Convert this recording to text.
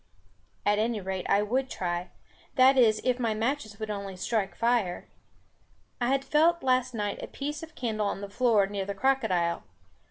At any rate, I would try; that is, if my matches would only strike fire. I had felt last night a piece of candle on the floor near the crocodile.